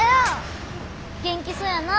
元気そやな。